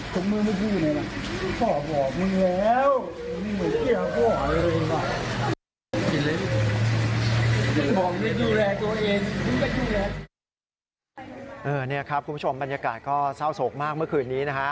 คุณผู้ชมบรรยากาศก็เศร้าโสกมากเมื่อคืนนี้